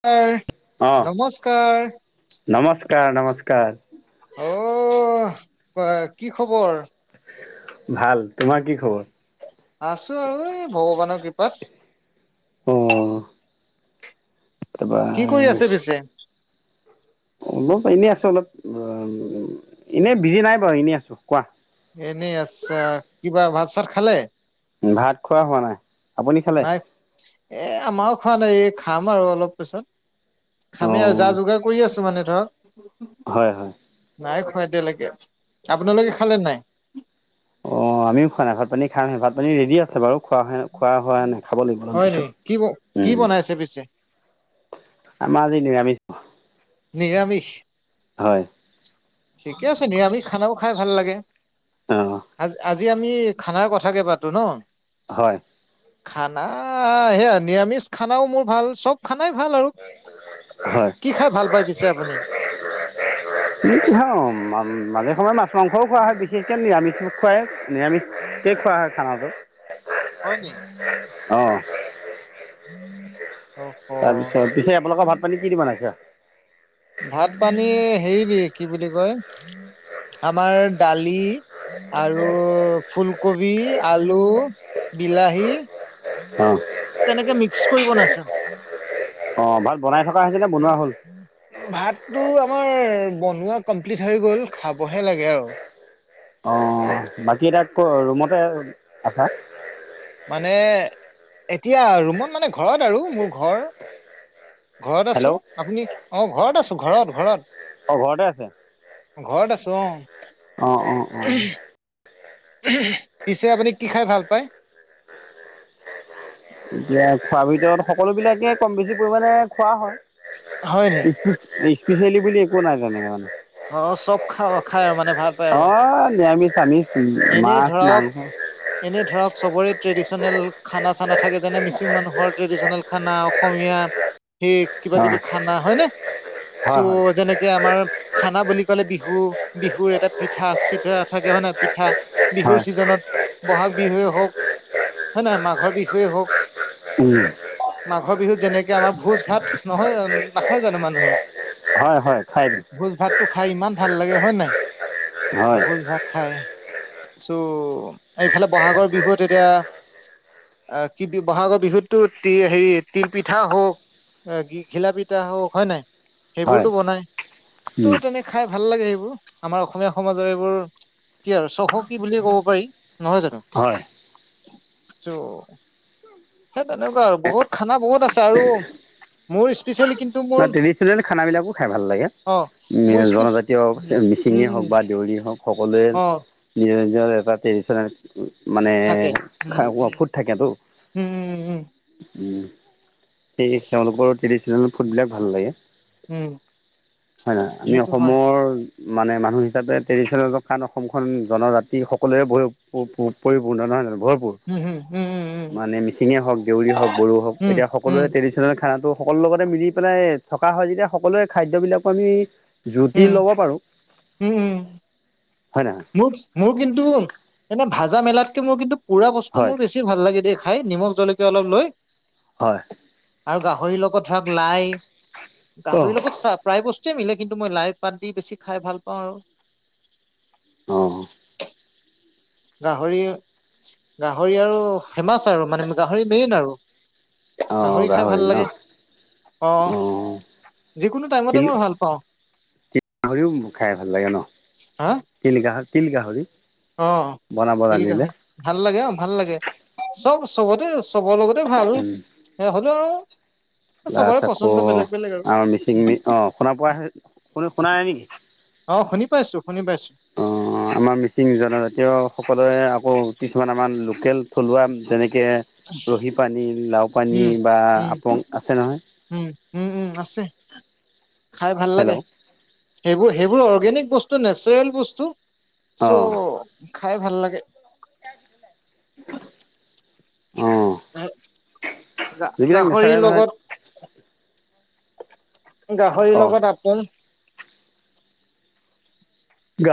Scar অ নমস্কাৰ নমস্কাৰ -নমস্কাৰ অঅঅ, কি খবৰ? ভাল, তোমাৰ কি খবৰ? আছো আৰু এই ভগৱানৰ কৃপাত। অ। কিবা কি কৰি আছে পিছে? অলপ এনে আছো অলপ, এনেই বিজি নাই বাৰু এনে আছো কোৱা এনেই আচ্ছা কিবা ভাত চাত খালে? ভাত খোৱা হোৱা নাই। আপুনি খালে নাই, এ আমাৰো খোৱা নাই এই খাম আৰু অলপ পিছত। অ খামে আৰু জা - যোগাৰ কৰি আছো মানে ধৰক। হয় হয়। নাই খোৱা এতিয়ালৈকে। আপোনালোকে খালে নাই? অ' আমিও খোৱা নাই ভাত পানী খাং ভাত পানী ৰেডি আছে বাৰু খোৱাহে খোৱা হোৱা নাই, খাব লাগিব অলপমান পিছত পিছে পিছে আমাৰ আাজি নিৰামিষ নিৰামিষ হয় ঠিকে আছে নিৰামিষ খানাও খাই ভাল লাগে। অ' আজি আজি আমি খানাৰ কথাকে পাতো ন' হয় খানা সেয়া নিৰামিষ খানাও মোৰ ভাল চব খানাই ভাল আৰু হয় কি খাই ভাল পাই পিছে আপুনি? [unintelligible] মাজে সময়ত মাছ মাংসও খোৱা হয় বিশেষকৈ নিৰামিষ প্ৰায়ে নিৰামিষকে খোৱা হয় খানাটো। হয় নি? অ'। [unintelligible] অ' তাৰপিছত পিছে আপোনালোকৰ ভাত পানী কি দি বনাইছে? ভাত পানী হেৰি দি কি বুলি কয় আমাৰ দালি আৰু ফুলকবি, আলু, বিলাহী অঁ তেনেকে মিক্স কৰি বনাইছোঁ। অ' ভাত বনাই থকা হৈছে নে বনোৱা হ'ল? ভাতটো আমাৰ বনোৱা কমপ্লিট হৈ গ'ল, খাবহে লাগে আৰু অ' বাকী এটা ক'ত ৰুমতে থাকা? মানে এতিয়া ৰুমত মানে ঘৰত আৰু মোৰ ঘৰ। ঘৰত আছোঁ হেল্ল' আপুনি অ' ঘৰত আছোঁ ঘৰত- ঘৰত। অ' ঘৰতে আছে। ঘৰত আছোঁ অ' অ'-অ'-অ'। পিছে আপুনি কি খাই ভাল পায়? এতিয়া খোৱাৰ ভিতৰত সকলোবিলাকে কম বেছি পৰিমাণে খোৱা হয়। হয়নি। ইছপিচিয়েলি বুলি একো নাই তেনেকে মানে। অ' চব খা খাই আৰু মানে ভাত। অ' নিৰামিষ আমিষ। এনে মাছ ধৰক মাংস এনে ধৰক চবৰে ট্ৰেডিশনেল খানা চানা থাকে, যেনে মিচিং মানুহৰ ট্ৰেডিশচনেল খানা, অসমীয়া এই কিবা অঁ কিবি খানা হয়নে হয় চো হয় যেনেকে আমাৰ খানা বুলি ক'লে বিহু বিহুৰ এটা পিঠা চিঠা থাকে হয়নে পিঠা বিহুৰ হয় ছিজনত ব'হাগ বিহুৱে হওক হয় নাই মাঘৰ বিহুৱে হওক। উম। মাঘৰ বিহুত যেনেকে আমাৰ ভোজ ভাত নহয় জানোঁ নাখায় জানোঁ মানুহে। হয়-হয় খাই। ভোজ ভাতটো খাই ইমান ভাল লাগে হয় নাই হয় ভোজ ভাত খাই। চ' এইফালে ব'হাগৰ বিহুত এতিয়া অ' কি ব'হাগৰ বিহুততো তি হেৰি তিল পিঠা হওক অ' কি ঘিলা পিঠা হওক হয় নাই। হয় সেইবোৰতো বনাই, উম, চ' তেনে খাই ভাল লাগে সেইবোৰ আমাৰ অসমীয়া সমাজৰ এইবোৰ কি আৰু চহকী বুলিয়ে ক'ব পাৰি নহয় জানো হয় ত' সেই তেনেকুৱা আৰু বহুত খানা বহুত আছে, আৰু মোৰ স্পেচিয়েলি কিন্তু মোৰ অ' ট্ৰেডিচনেল খানাবিলাকো খাই ভাল লাগে। অ মোৰ স্পিচ জনজাতীয় উম উম মিচিংই হওক উম বা দেউৰীয়ে হওক। সকলোৱে অ নিজৰ-নিজৰ এটা ট্ৰেডিশনেল মানে থাকে উম খাই [unintelligible] থাকে তো। উম সেই তেওঁলোকৰ ট্ৰেডিচনেল ফুড বিলাক ভাল লাগে। উম হয় নাই আমি সেইটো হয় অসমৰ মানে মানুহ হিচাপে ট্ৰেডিশ্যনেল কাৰণ অসমখন জনজাতি সকলোৱে পৰিপূৰ্ণ নহয়জানো ভৰপূৰ। উম উম উম উম মানে মিচিঙে হওক, দেউৰীয়ে হওক বড়ো হওক উম এতিয়া উম সকলোৱে ট্ৰেডি খানাতো সকলো লগতে মিলি পেলাই থকা হয় যেতিয়া সকলোৱে খাদ্য বিলাকো আমি জুতি উম লব পাৰো, উম উম হয় নহয়। মোৰ মোৰ কিন্তু, এনে ভাজা মেলাতকে মোৰ কিন্তু পুৰা বস্তু হয় মোৰ বেছি বেছি ভাল লাগে দেই খাই নিমখ জলকীয়া অলপ লৈ। হয়। আৰু গাহৰিৰ লগত ধৰক লাই অঁ গাহৰিৰ লগত চাহ প্ৰায় বস্তু য়ে মিলে কিন্তু মই লাই পাত দি বেছি খাই ভাল পাওঁ আৰু। অ'। গাহৰি গাহৰি আৰু ফেমাচ আৰু মানে গাহৰি মেইন আৰু। অ' খাই ভাল গাহৰি ন? লাগে অ' অঁ যিকোনো টাইমতে তিল মই ভাল পাওঁ। তিল গাহৰিও খাই ভাল লাগে ন? হা তিল গাহৰি তিল গাহৰি। বনাব অ' তিল জানিলে গাহৰি ভাল লাগে অ' ভাল লাগে চব চবতে চবৰ লগতে ভাল সেয়া হ'লেও চবৰে তাৰপাছত আকৌ পচন্দ বেলেগ বেলেগ আৰু মিচিং মি অ' শুনা পোৱা শুনা নাই নেকি? অ' শুনি পাইছো শুনি পাইছো। অঁ আমাৰ মিচিং জনজাতীয়সকলৰে আকৌ কিছুমান আমাৰ লোকেল থলুৱা যেনেকৈ ৰহি পানী লাও পানী উম বা উম আপং আছে নহয়। উম, উম, উম আছে খাই ভাল হেল্ল' লাগে। সেইবোৰ সেইবোৰ অৰ্গেনিক বস্তু নেচাৰেল বস্তু অঁ চ' খাই ভাল লাগে। অ'। [unintelligible] গাহৰিৰ নেচাৰেল হয় লগত। গাহৰিৰ অঁ লগত আপোং।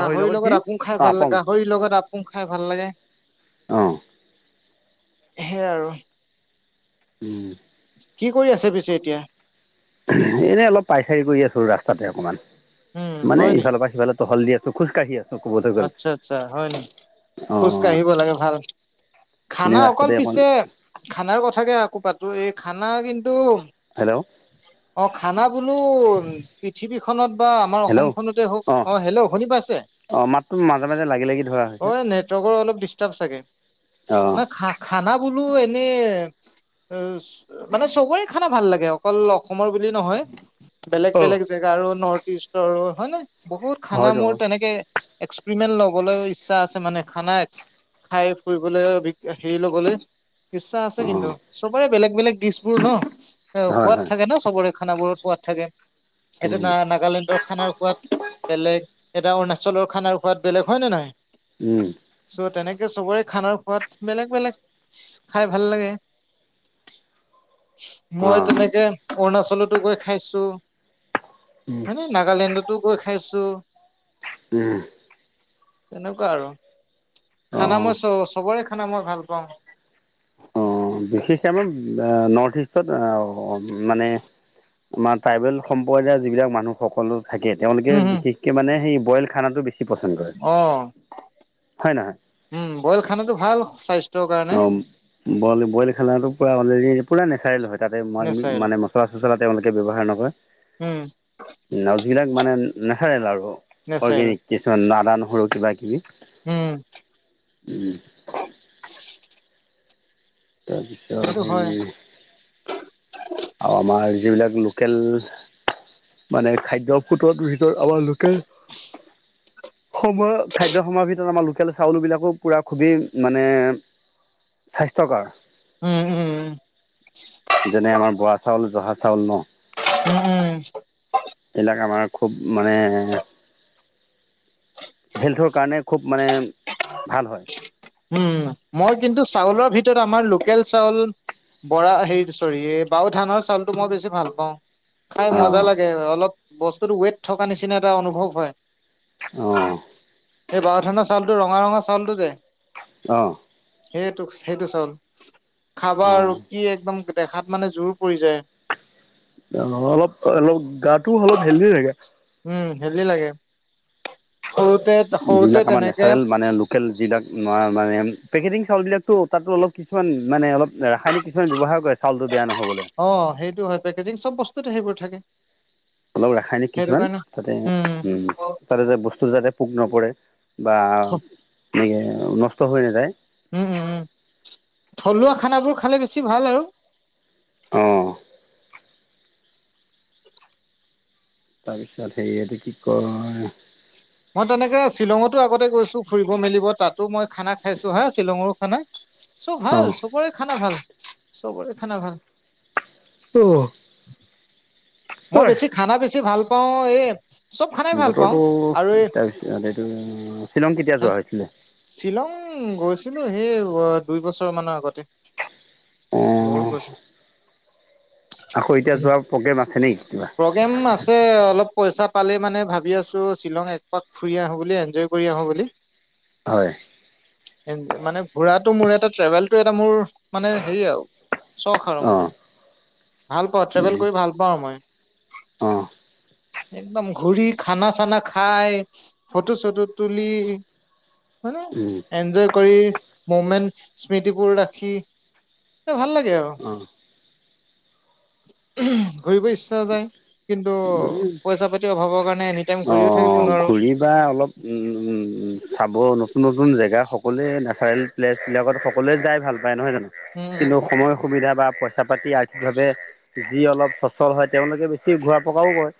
গাহৰিৰ কি লগত আপোং খাই অঁ ভাল লাগে। আপং গাহৰিৰ লগত আপোং খাই ভাল লাগে। অ'। সেই আৰু। কি কৰি আছে পিছে এতিয়া? এনে অলপ [unintelligible] কৰি আছো ৰাস্তাতে অকণমান উম মানে হয় নি ইফালৰ পৰা সিফালে তহল দি আছো। খোছ কাঢ়ি আছো। আচ্ছা-আচ্ছা হয় নেকি খোজ অঁ কাঢ়িব লাগে ভাল। এনেই খানা অকল ৰাস্তাতে অকণ পিছে খানাৰ কথাকে আকৌ পাতো এই খানা কিন্তু হেলো! অ' খানা বোলো পৃথিৱীখনত বা, আমাৰ হেল্ল' অসমখনতে হওক অ' হেলো অ' শুনি পাইছে? অ' মাত তো হয়, নেটৱৰ্কৰ অলপ ডিষ্টাৰ্ব চাগে অঁ নায় খা খানা বোলো এনে মানে চবৰে খানা ভাল লাগে। [unintelligible] অকল অসমৰ বুলি নহয় অঁ বেলেগ-বেলেগ জেগা আৰু নৰ্থ ইষ্টৰও হয় নে বহুত খানা হয়তো মোৰ তেনেকে এক্সপেৰিমেণ্ট লবলৈ ইচ্ছা আছে মানে খানাই খাই ফুৰিবলৈ হেৰি লবলৈ। ইচ্ছা আছে অঁ কিন্তু চবৰে বেলেগ-বেলেগ দিষবোৰ ন' অ' হয় হয় এনেও চবৰে খানাবোৰত সোৱাদ থাকে সেইটো না নাগালেণ্ডৰ খানাৰ সোৱাদ বেলেগ, এতিয়া অৰুণাচলৰ খানাৰ সোৱাদ বেলেগ হয় নে নাই। উম। চ' তেনেকে চবৰে খানাৰ সোৱাদ বেলেগ-বেলেগ, খাই ভাল লাগে। [unintelligible] মই অঁ তেনেকে অৰুণাচলতো গৈ খাইছোঁ। উম। মানে নাগালেণ্ডতো গৈ খাইছোঁ। উম তেনেকুৱা আৰু খানা অঁ মই চব চবৰে খানা মই ভাল পাওঁ। বিশেষকে আমাৰ নৰ্থইষ্টত মানে আমাৰ ট্ৰাইবেল সম্প্ৰদায়ৰ যিবিলাক মানুহ সকলো থাকে তেওঁলোকে বিশেষকে মানে সেই বইল খানাটো বেছি পচন্দ কৰে অ' হয় নহয় উম বইল খানাটো ভাল স্বাস্থ্যৰ কাৰণে। অঁ বইল বইল খানাটো পুৰা মানে পুৰা নেচাৰেল হয়। তাতে মই নেচাৰেল মানে মচলা চছলা তেওঁলোকে ব্যৱহাৰ নকৰে। উম নচবিলাক মানে নেচাৰেল আৰু নেচাৰেল অৰ্গেনিক কিছুমান আদা নহৰু কিবা কিবি উম হুম তাৰপিছত আৰু সেইটো হয় হেৰি আৰু আমাৰ যিবিলাক লোকেল মানে খাদ্য ফুডৰ ভিতৰত আমাৰ [inaudible] সময়ত খাদ্যসম্ভাৰৰ ভিতৰত আমাৰ লোকেল চাউলবিলাকো পুৰা খুবেই মানে স্বাস্থ্যকাৰ উম-উম যেনে আমাৰ বৰা চাউল, জহা চাউল ন' উম-উম এইবিলাক আমাৰ খুব মানে হেল্থৰ কাৰণে খুব মানে ভাল হয়। উম মই কিন্তু চাউলৰ ভিতৰত আমাৰ লোকেল চাউল বৰা হে চৰি এই বাওধানৰ চাউলটো মই বেছি ভালপাওঁ। খাই মজা অঁ লাগে অলপ বস্তুতো ৱেট থকা নিচিনা এটা অনুভৱ হয়। অ' এই বাওধানৰ চাউলটো ৰঙা-ৰঙা চাউটো যে অ' সেইটো-সেইটো চাউল খাবা আৰু অঁ কি একদম দেখাত মানে জোৰ পৰি যায়। অ' অলপ-অলপ গাটো অলপ হেল্ডি থাকে। উম হেল্ডি লাগে সৰুতে-সৰুতে তেনেকে কেলে যিবিলাক মানে পেকেটিং চাউল বিলাক তাতো অলপ কিছুমান মানে অলপ ৰাসায়নিক কিছুমান ব্যৱহাৰ কৰে। চাউলটো বেয়া নহ'বলৈ অ' সেইটো হয় পেকেজিং চব বস্তুতে সেইবোৰ থাকে অলপ ৰাসায়নিক সেইটো কিছুমান কাৰণে তাতে, উম তাতে যে বস্তু যাতে পোক নপৰে বা উম নষ্ট হৈ নাযায় উম-উম থলুৱা খানাবোৰ খালে বেছি ভাল আৰু অ' তাৰপিছত হেৰি এইটো কি কয় মই তেনেকে শ্বিলঙতো আগতে গৈছোঁ ফুৰিব মেলিব তাতো মই খানা খাইছো হা শ্বিলঙৰো খানা। চব অঁ ভাল চবৰে খানা ভাল চবৰে খানা ভাল। [inaudible] মই বেছি খানা বেছি ভাল পাওঁ এই চব খানাই ভাল পাওঁ বতৰটো, আৰু এই এইটো, শ্বিলং কেতিয়া যোৱা হৈছিলে? শ্বিলং গৈছিলো সেই, দুই বছৰ মানৰ আগতে। বহুত অ'। গৈছ আকৌ এতিয়া যোৱাৰ, প্ৰগ্ৰেম আছে নেকি কিবা? প্ৰগ্ৰেম আছে, অলপ পইচা পালেই মানে ভাবি আছোঁ শ্বিলং একপাক ফুৰি আহোঁ বুলি এনজয় কৰি আহোঁ বুলি। [unintelligible] হয়, মানে ঘুৰাটো মোৰ এটা ট্ৰেভেলটো এটা মোৰ, মানে হেৰি আৰু, চখ আৰু অঁ মানে। ভাল পাওঁ ট্ৰেভেল কৰি ভাল পাওঁ মই। অঁ একদম ঘূৰি খানা চানা খাই, ফটো চটো তুলি হয় নে, অঁ এনজয় কৰি মুমেন্ট স্মৃতিবোৰ ৰাখি এ ভাল লাগে আৰু। ঘুৰিব ইচ্ছা যায়, কিন্তু, পইচা পাতিৰ অভাৱৰ কাৰণে এনে অ', ঘূৰি বা অলপ, চাব নতুন নতুন জেগা সকলোৱে নেচাৰেল। প্লেছবিলাকত সকলোৱোই ভাল পায় নহয় জানো? কিন্তু উম সময় সুবিধা বা পইচা পাতি আৰ্থিকভাৱে যি অলপ সচল হয় তেওঁলোকে বেছি ঘূৰা পকাও কৰে,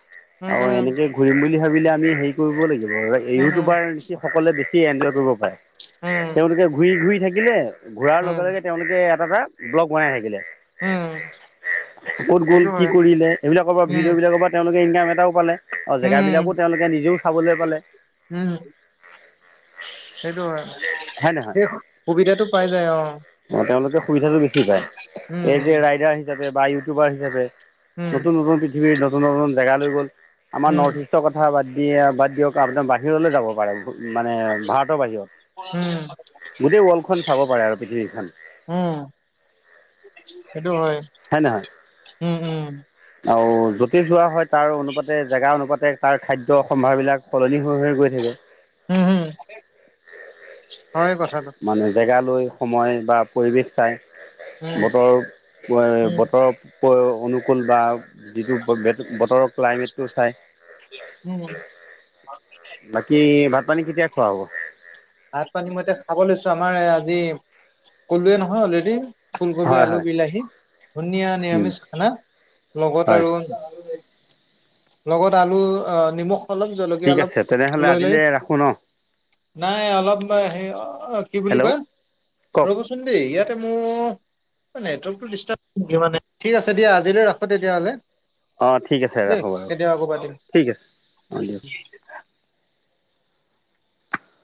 উম আৰু এনেকে সেই বুলি ভাবিলে আমি হেৰি কৰিব লাগিব উম উম ইউটিউবাৰ সকলে বেছি এনজয় কৰিব পাৰে। উম তেওঁলোকে ঘূৰি ঘূৰি থাকিলে, ঘূৰাৰ উম লগে লগে উম তেওঁলোকে এটা এটা, ব্লক বনাই থাকিলে। উম ক'ত গ'ল সেইটো কি হয় কৰিলে এইবিলাকৰ পৰা উম ভিডিঅ' বিলাকৰ পৰা তেওঁলোকে ইনকাম এটাও পালে। অ', জেগাবিলাকো উম তেওঁলোকে নিজেও চাবলৈ পালে। উম, সেইটো হয়। হয় নে নহয়, সেই সুবিধাটো পাই যায় অ অ, তেওঁলোকে সুবিধাটো বেছি পায়। এই উম যে ৰাইদাৰ আহি। হিচাপে বা ইউটিউবাৰ হিচাপে, উম নতুন নতুন পৃথিৱীৰ নতুন নতুন জেগা লৈ গ'ল, আমাৰ উম নৰ্থ ইষ্ট চব কথা বাদ দিয়ে বাদ দিয়ক আপোনাৰ বাহিৰলৈ যাব পাৰে। মানে ভাৰতৰ বাহিৰত, উম গোটেই ৱৰ্ল্ডখন চাব পাৰে আৰু পৃথিৱীখন। উম, সেইটো হয়। হয় নহয়। উম উম আৰু যতে যোৱা হয় তাৰ অনুপাতে জেগা অনুপাতে তাৰ খাদ্য সম্ভাৰবিলাক সলনি হৈ হৈ গৈ থাকে। উম, উম, হয় কথাটো। মানে জেগা লৈ সময় বা পৰিৱেশ চাই, উম বতৰ উম [unintelligible] বতৰৰ অনুকূল বা যিটো বতৰৰ। ক্লাইমেটটো চাই উম বাকী, ভাত পানী কেতিয়া খোৱা হ'ব? ভাত পানী মই এতিয়া খাব লৈছো আমাৰ আজি, কলোৱে নহয় অলৰেডি। ফুলকবি হয় আলু হয় বিলাহী, ধুনীয়া নিৰামিষ খানা। লগত হয় আৰু, লগত আলু আহ নিমখ। অলপ জলকীয়া ঠিক অলপ আছে, তেনেহ'লে লৈ লৈ আজিলে ৰাখোঁ ন? নাই অলপ হে কি বুলি হেল্ল' কয়, কওক ৰ'বচোন দে ইয়াতে মোৰ এ নেটৱৰ্কটো দিষ্টাৱ মানে ঠিক আছে দিয়া আজিলৈ ৰাখো তেতিয়াহ'লে। অঁ ঠিক আছে ৰাখোঁ দেই, বাৰু তেতিয়া আকৌ ঠিক আছে অঁ দিয়ক পাতিম।